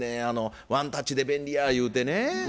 あのワンタッチで便利やゆうてね。